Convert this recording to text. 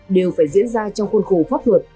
đều phải diễn ra trong khuôn khủng